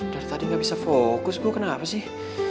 dari tadi gak bisa fokus gue kenapa sih